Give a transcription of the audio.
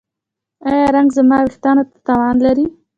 ایا رنګ زما ویښتو ته تاوان لري؟